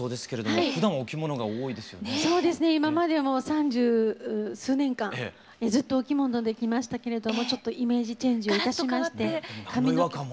今までも三十数年間ずっとお着物できましたけれどもちょっとイメージチェンジをいたしまして髪の毛も。